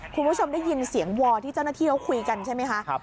คุณผู้ชมได้ยินเสียงวอลที่เจ้าหน้าที่เขาคุยกันใช่ไหมคะ